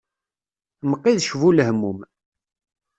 Mqidec bu lehmum.